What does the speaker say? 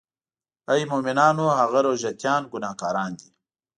آی مومنانو هغه روژه تیان ګناهګاران دي.